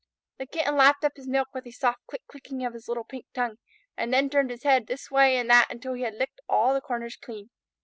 The Kitten lapped up his milk with a soft click clicking of his little pink tongue, and then turned his head this way and that until he had licked all the corners clean.